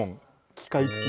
機械付き。